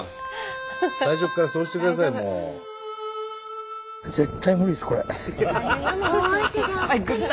最初からそうしてください。大汗だ。